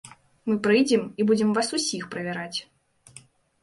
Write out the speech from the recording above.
Мы прыйдзем і будзем вас усіх правяраць.